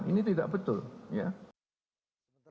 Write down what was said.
ini tidak betul